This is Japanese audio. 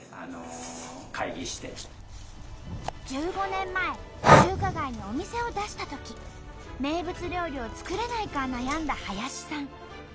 １５年前中華街にお店を出したとき名物料理を作れないか悩んだ林さん。